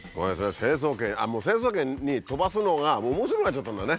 成層圏に飛ばすのが面白くなっちゃったんだね。